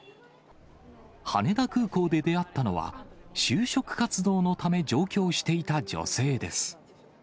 羽田空港で出会ったのは、就職活動のため、上京していた女性です。